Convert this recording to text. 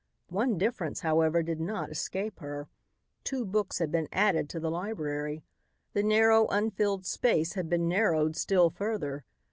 One difference, however, did not escape her. Two books had been added to the library. The narrow, unfilled space had been narrowed still further.